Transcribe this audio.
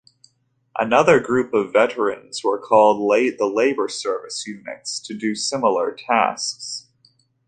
Another group of veterans were called the labor service units to do similar tasks.